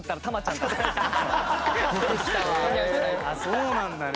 そうなんだね。